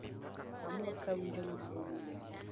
Amor kawinjo nisomo